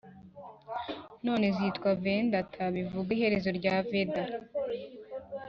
nanone zitwa vedanta, bivuga iherezo rya veda